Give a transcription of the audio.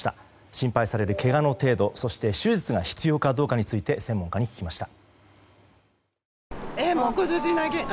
心配されるけがの程度そして手術が必要かどうかについて専門家に聞きました。